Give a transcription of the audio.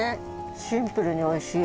シンプルにおいしい。